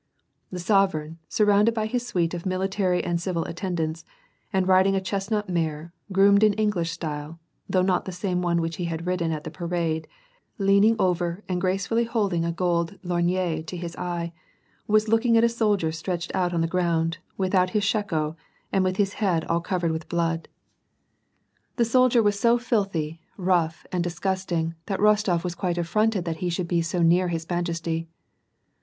The sovereign, surrounded by his suite of military and civil attendants, and riding a chestnut mare, groomed in English style, though not the same one which he had ridden at the parade, leaning over and gracefully holding a gold lorgnette to nis eye, was looking at a soldier stretched out on the ground, without his shako, and with his head all covered with blood. 810 WAR AND PEACE. The soldier was so filthy, rough, and disgusting, that Eos tof was quite affronted that he should be so near his majesty.